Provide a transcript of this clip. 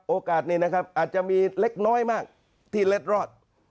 โอกาสนี้นะครับอาจจะมีเล็กน้อยมากที่เล็ดรอด